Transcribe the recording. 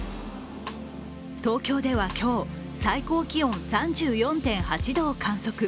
東京では今日、最高気温３４．８度を観測。